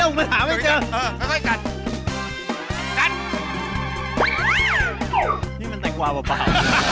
นี่มันแต่งกวาเปล่าเปล่า